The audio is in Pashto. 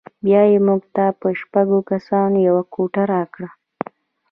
بیا یې موږ ته په شپږو کسانو یوه کوټه راکړه.